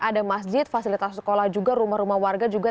ada masjid fasilitas sekolah juga rumah rumah warga juga